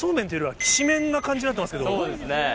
そうですね。